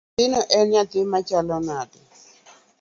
Nyathino en nyathi machalo nade?